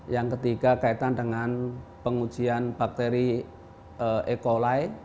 yang ketiga kaitan dengan pengujian bakteri e colai